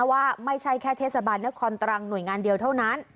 ว่าไม่ใช่แค่เทศบาลนครตรังหน่วยงานเดียวเท่านั้น